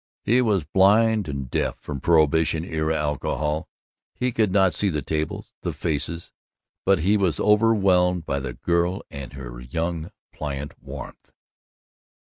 He was blind and deaf from prohibition era alcohol; he could not see the tables, the faces. But he was overwhelmed by the girl and her young pliant warmth.